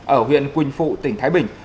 ở huyện quỳnh phụ tỉnh thái bình